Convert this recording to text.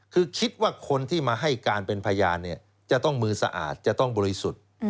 คือคิดว่าคนที่มาให้การเป็นพยานจะต้องมือสะอาดจะต้องบริสุทธิ์